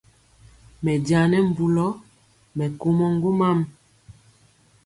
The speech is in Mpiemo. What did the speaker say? Mɛ njaŋ nɛ mbulɔ, mɛ komɔ ŋgomam.